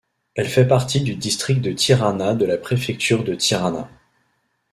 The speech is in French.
Elle fait partie du district de Tirana de la préfecture de Tirana.